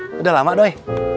sudah lama doi